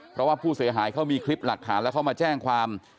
เพราะว่าผู้เสียหายเขามีคลิปหลักฐานแล้วเขามาแจ้งความ